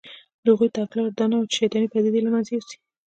د هغوی تګلاره دا نه وه چې شیطانې پدیدې له منځه یوسي